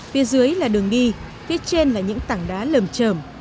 phía dưới là đường đi phía trên là những tảng đá lầm trờm